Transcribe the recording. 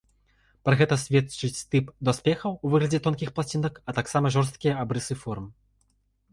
Пра гэта сведчыць тып даспехаў у выглядзе тонкіх пласцінак, а таксама жорсткія абрысы форм.